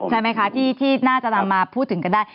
ใช่ไหมคะที่น่าจะนำมาพูดถึงกันได้